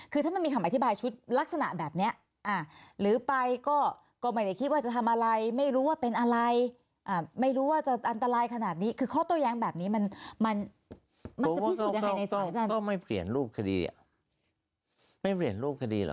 ใครจะยืนยันมันไม่ใช่อุปกรณ์ที่